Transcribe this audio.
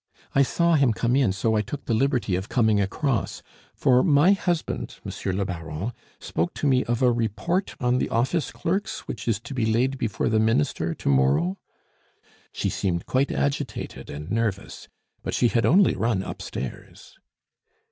I saw him come in, so I took the liberty of coming across; for my husband, Monsieur le Baron, spoke to me of a report on the office clerks which is to be laid before the minister to morrow." She seemed quite agitated and nervous but she had only run upstairs.